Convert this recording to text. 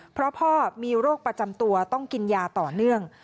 เพราะพ่อมีโรคประจำตัวต้องกินยาต่อเนื่อง